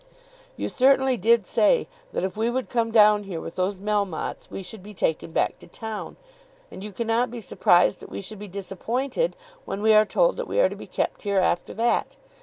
You certainly did say that if we would come down here with those Melmottes we should be taken back to town, and you cannot be surprised that we should be disappointed when we are told that we are to be kept here after that.